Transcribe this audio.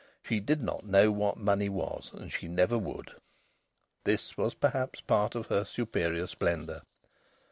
She did not know what money was, and she never would. This was, perhaps, part of her superior splendour.